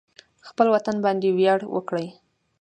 خپل وطن باندې ویاړ وکړئ